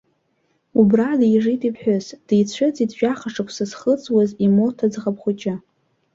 Убра дижит иԥҳәыс, дицәыӡит жәаха шықәас зхыҵуаз имоҭа ӡӷаб хәыҷы.